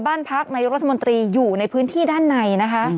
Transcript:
บ้านพักนายกรัฐมนตรีอยู่ในพื้นที่ด้านในนะคะ